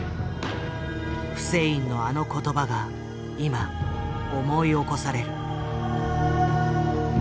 フセインのあの言葉が今思い起こされる。